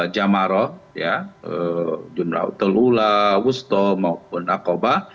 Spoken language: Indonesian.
jamaroh ya jumrah telula wusto maupun akoba